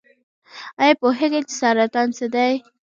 ایا پوهیږئ چې سرطان څه دی؟